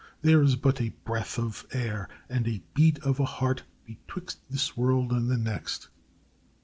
There is but a breath of air and a beat of a heart betwixt this world and the next.